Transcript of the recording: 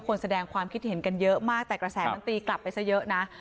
แสดงความคิดเห็นกันเยอะมากแต่กระแสมันตีกลับไปซะเยอะนะ